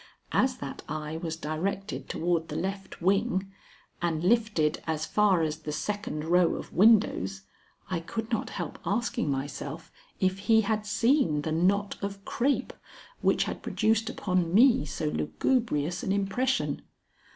As that eye was directed toward the left wing, and lifted as far as the second row of windows, I could not help asking myself if he had seen the knot of crape which had produced upon me so lugubrious an impression.